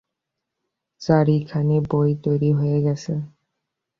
চারিখানি বই তৈরী হয়ে গেছে।